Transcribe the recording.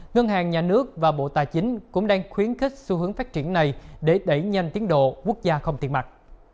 ngân hàng nhà nước và bộ tài chính cũng đang khuyến khích xu hướng phát triển này để đẩy nhanh tiến độ quốc gia không tiền mặt